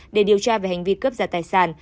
để điều tra về hành vi cướp giật tài sản